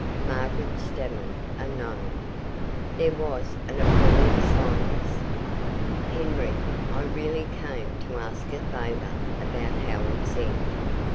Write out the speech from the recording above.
Margaret stammered a "No." There was an appalling silence. "Henry, I really came to ask a favour about Howards End."